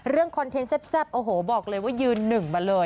เรื่องคอนเทนต์แซ่บบอกเลยว่ายืนหนึ่งมาเลย